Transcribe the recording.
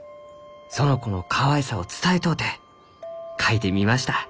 「園子のかわいさを伝えとうて描いてみました」。